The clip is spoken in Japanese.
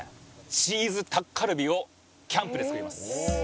チーズタッカルビをキャンプで作ります。